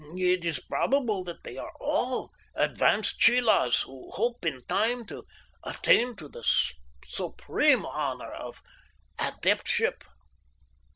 It is probable that they are all advanced chelas who hope in time to attain to the supreme honour of adeptship."